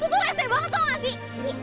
lo tuh rese banget tau gak sih